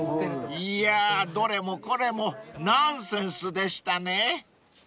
［いやーどれもこれもナンセンスでしたね］